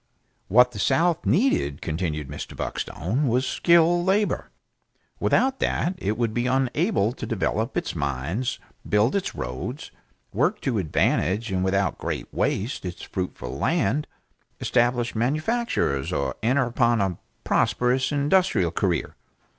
What the South needed, continued Mr. Buckstone, was skilled labor. Without that it would be unable to develop its mines, build its roads, work to advantage and without great waste its fruitful land, establish manufactures or enter upon a prosperous industrial career.